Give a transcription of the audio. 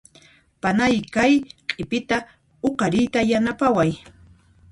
Panay kay q'ipita huqariyta yanapaway.